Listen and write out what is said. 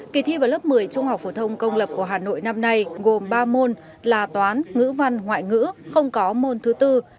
kỳ thi vào lớp một mươi trung học phổ thông công lập của hà nội năm nay gồm ba môn là toán ngữ văn ngoại ngữ không có môn thứ bốn